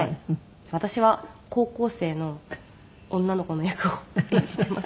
私は高校生の女の子の役を演じています。